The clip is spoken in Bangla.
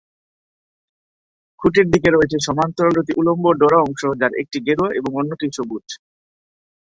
খুঁটির দিকে রয়েছে সমান্তরাল দুটি উলম্ব ডোরা অংশ, যার একটি গেরুয়া এবং অন্যটি সবুজ।